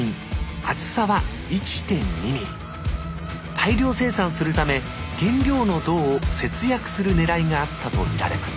大量生産するため原料の銅を節約するねらいがあったと見られます